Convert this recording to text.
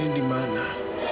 iry di mana